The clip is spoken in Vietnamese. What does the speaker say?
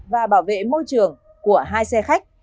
và bảo vệ môi trường của hai xe khách